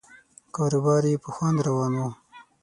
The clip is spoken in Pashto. کاروبار یې په خوند روان و.